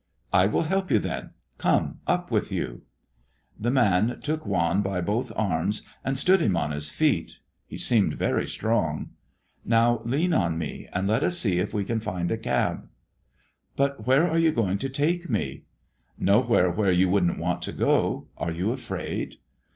"I will help you, then. Come; up with you." The man took Juan by both arms and stood him on his feet. He seemed very strong. "Now lean on me, and let us see if we can find a cab." "But where are you going to take me?" "Nowhere where you wouldn't want to go. Are you afraid?"